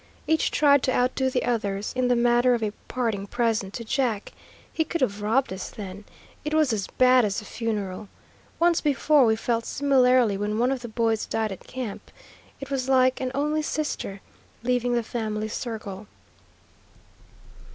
Each tried to outdo the others, in the matter of a parting present to Jack. He could have robbed us then. It was as bad as a funeral. Once before we felt similarly when one of the boys died at camp. It was like an only sister leaving the family circle.